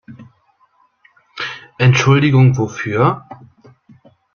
Entschuldigung wofür?